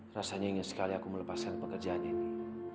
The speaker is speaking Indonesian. rasanya ingin sekali aku melepaskan pekerjaannya ini